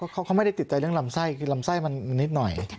เขาไม่ได้ติดใจเรื่องลำไส้คือลำไส้มันนิดหน่อย